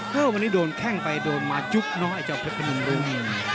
เพราะว่าวันนี้โดนแข้งไปโดนมาจุ๊บเนอะไอ้เจ้าเผ็ดพะมึงบุ้ง